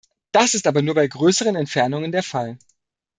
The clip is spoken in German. Das ist aber nur bei größeren Entfernungen der Fall.